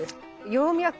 葉脈？